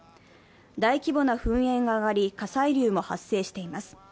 大規模な噴煙が上がり火砕流も発生しています。